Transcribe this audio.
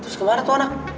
terus kemana tuh anak